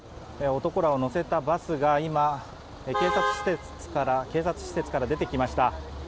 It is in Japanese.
男らを乗せたバスが今警察施設から出てきました。